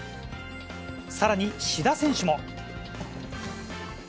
さらに志田選手も。